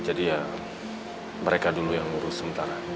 jadi ya mereka dulu yang ngurus sementara